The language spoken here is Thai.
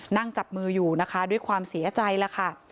นั่งจับมืออยู่นะคะด้วยความเสียใจแล้วค่ะ